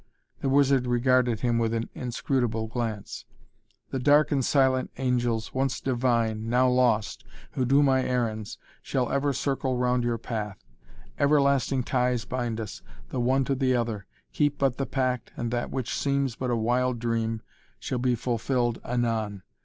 The wizard regarded him with an inscrutable glance. "The dark and silent angels, once divine, now lost, who do my errands, shall ever circle round your path. Everlasting ties bind us, the one to the other. Keep but the pact and that which seems but a wild dream shall be fulfilled anon.